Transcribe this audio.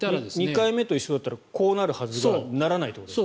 ２回目と一緒だったらこうなるはずがならないと。